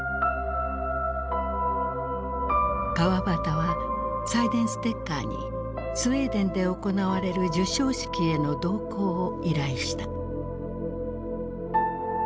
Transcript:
川端はサイデンステッカーにスウェーデンで行われる授賞式への同行を依頼した。